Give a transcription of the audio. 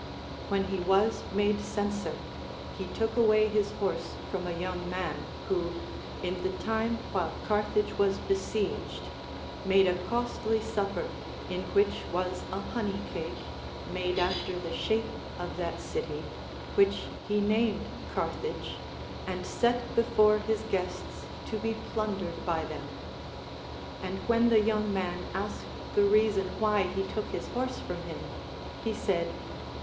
When he was made censor, he took away his horse from a young man, who, in the time while Carthage was besieged, made a costly supper, in Λvhich was a honey cake, made after the shape of that city, Avhich he named Carthage and set before his guests to be plundered by them ; and Λvhen the young man asked the reason why he took his horse from him, he said.